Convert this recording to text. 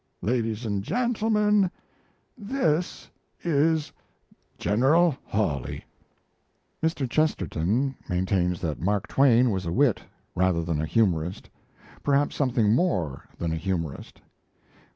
Ladies and gentlemen, this is General Hawley." Mr. Chesterton maintains that Mark Twain was a wit rather than a humorist perhaps something more than a humorist.